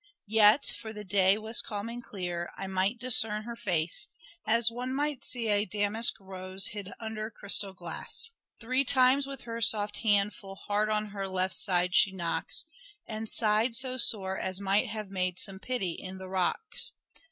Yet (for the day was calm and clear) I might discern her face, As one might see a damask rose hid under crystal glass. Three times with her soft hand full hard on her left side she knocks, And sighed so sore as might have made some pity in the rocks.